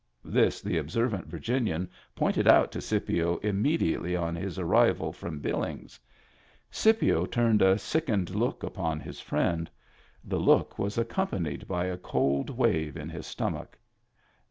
This the observant Virginian pointed out to Scipio immediately on his arrival from Billings. Scipio turned a sickened look upon his friend. The look was accompanied by a cold wave in his stomach.